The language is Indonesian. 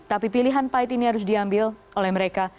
tapi pilihan pahit ini harus diambil oleh mereka